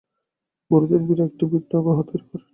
বুড়োদের ভীরে একটা ভিন্ন আবহ তৈরি করে।